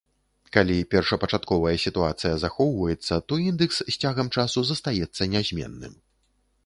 Калі першапачатковая сітуацыя захоўваецца, то індэкс з цягам часу застаецца нязменным.